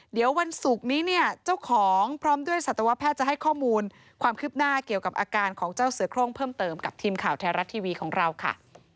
เดี๋ยววันศุกร์นี้เนี่ยเจ้าของพร้อมด้วยสัตวแพทย์จะให้ข้อมูลความคืบหน้าเกี่ยวกับอาการของเจ้าเสือโครงเพิ่มเติมกับทีมข่าวไทยรัฐทีวีของเราค่ะ